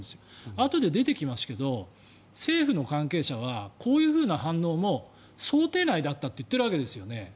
あとで出てきますけど政府の関係者は、こういう反応も想定内だったと言っているわけですよね。